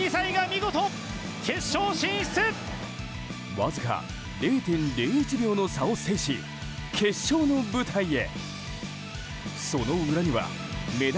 わずか０．０１秒の差を制し決勝の舞台へ。